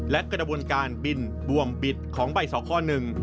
และกระบวนการบินบวมปิดของใบสอข้อหนึ่ง